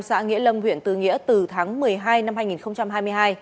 xã nghĩa lâm huyện tư nghĩa từ tháng một mươi hai năm hai nghìn hai mươi hai